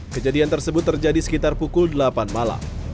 kejadian tersebut terjadi sekitar pukul delapan malam